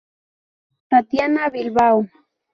Tatiana Bilbao.